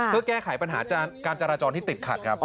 เพื่อแก้ไขปัญหาการจราจรที่ติดขัดครับ